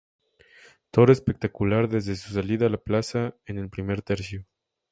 Toro espectacular desde su salida a la plaza y en el primer tercio.